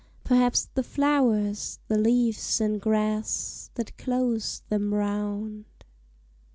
Perhaps the flowers, the leaves, and grass That close them round.